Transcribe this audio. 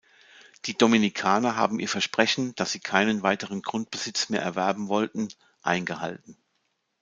Die Dominikaner haben ihr Versprechen, dass sie keinen weiteren Grundbesitz mehr erwerben wollten, eingehalten.